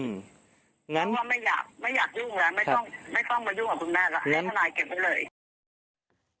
ไม่อยากยุ่งแล้วไม่ต้องมายุ่งกับคุณแม่ให้ทนายเก็บไว้เลย